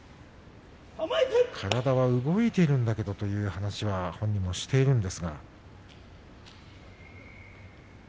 体は動いているんだけどという話はしているんですが。